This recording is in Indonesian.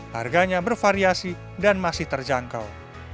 harganya bervariasi dan masih terjangkau